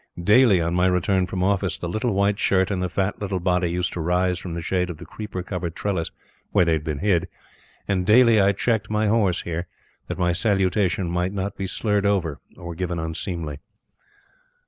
Daily on my return from office, the little white shirt, and the fat little body used to rise from the shade of the creeper covered trellis where they had been hid; and daily I checked my horse here, that my salutation might not be slurred over or given unseemly.